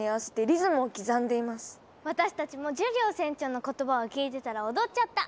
私たちもジュリオ船長の言葉を聞いてたら踊っちゃった。